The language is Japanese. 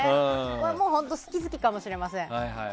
もう本当好き好きかもしれません。